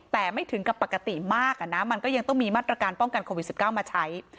แต่ไม่ถึงกับปกติมากนะมันก็ยังต้องมีมาตรการป้องกันโควิด๑๙มาใช้